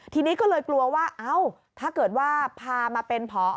ทีนี้ก็เลยกลัวว่าเอ้าถ้าเกิดว่าพามาเป็นพอ